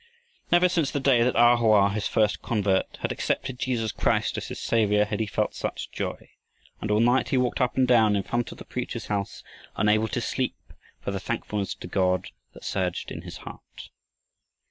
Never since the day that A Hoa, his first convert, had accepted Jesus Christ as his Savior, had he felt such joy, and all night he walked up and down in front of the preacher's house, unable to sleep for the thankfulness to God that surged in his heart.